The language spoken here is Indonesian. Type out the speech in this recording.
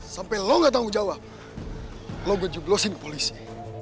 sampai lo gak tanggung jawab lo gue jublosin ke polisi